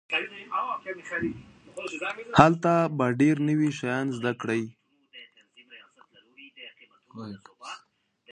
هلته به ډېر نوي شيان زده کړئ.